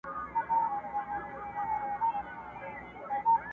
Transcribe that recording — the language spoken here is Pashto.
o بې مزده کار مي نه زده، چي مزد راکې، بيا مي ښه زده٫